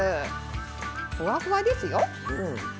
ふわふわですよ！